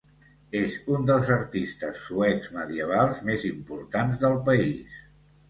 És un dels artistes suecs medievals més importants del país.